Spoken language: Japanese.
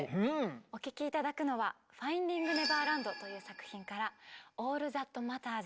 お聴き頂くのは「ファインディング・ネバーランド」という作品から「オール・ザット・マターズ」。